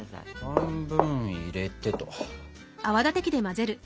半分入れてと。